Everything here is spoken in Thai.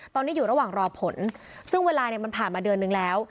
ตอนนี้อยู่ระหว่างรอผลซึ่งเวลาเนี่ยมันผ่านมาเดือนนึงแล้ว